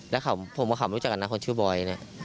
และผมก็ขอบคุยกับนักงานชื่อบอย